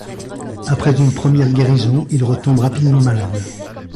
Après une première guérison, il retombe rapidement malade.